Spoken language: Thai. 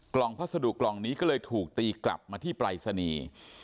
พัสดุกล่องนี้ก็เลยถูกตีกลับมาที่ปรายศนีย์